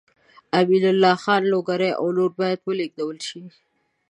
امین الله خان لوګری او نور باید ولېږدول شي.